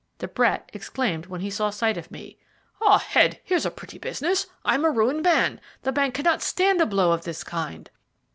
De Brett exclaimed, when he caught sight of me: "Ah, Head, here's a pretty business! I'm a ruined man. The bank cannot stand a blow of this kind."